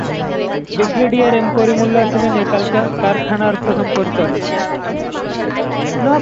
Brigadier M Karim Ullah ছিলেন এই কারখানার প্রথম পরিচালক।।